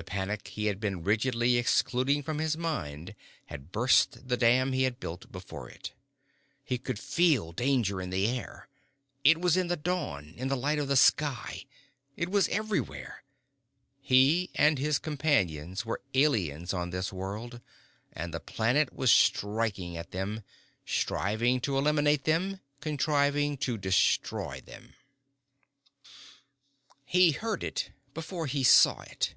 The panic he had been rigidly excluding from his mind had burst the dam he had built before it. He could feel danger in the air. It was in the dawn, in the light of the sky. It was everywhere. He and his companions were aliens on this world, and the planet was striking at them, striving to eliminate them, contriving to destroy them. He heard it before he saw it.